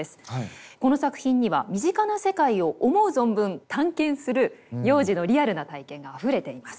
「この作品には身近な世界を思う存分探検する幼児のリアルな体験があふれています。